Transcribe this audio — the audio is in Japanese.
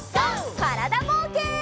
からだぼうけん。